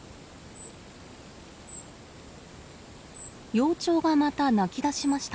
幼鳥がまた鳴き出しました。